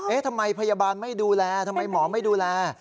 ทำไมพยาบาลไม่ดูแลทำไมหมอไม่ดูแล